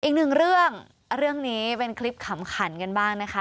อีกหนึ่งเรื่องเรื่องนี้เป็นคลิปขำขันกันบ้างนะคะ